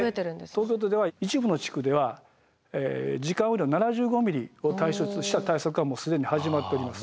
で東京都では一部の地区では時間雨量７５ｍｍを対象とした対策がもう既に始まっております。